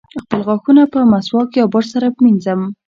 خپل غاښونه په مسواک یا برس سره مینځم.